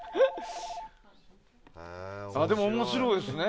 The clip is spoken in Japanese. でも、面白いですね。